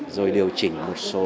rồi điều chỉnh một số